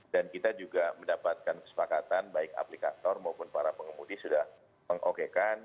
dan kita juga mendapatkan kesepakatan baik aplikator maupun para pengemudi sudah mengokekan